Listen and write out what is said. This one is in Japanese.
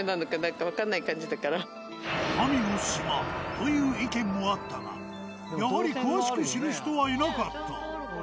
「神の島」という意見もあったがやはり詳しく知る人はいなかった。